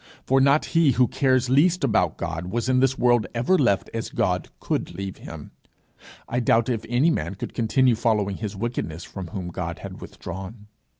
For not he who cares least about God was in this world ever left as God could leave him. I doubt if any man could continue following his wickedness from whom God had withdrawn.